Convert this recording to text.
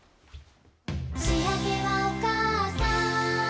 「しあげはおかあさん」